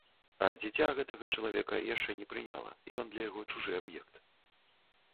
А дзіця гэтага чалавека яшчэ не прыняла, ён для яго чужы аб'ект.